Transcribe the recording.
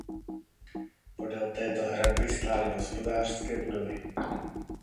Podél této hradby stály hospodářské budovy.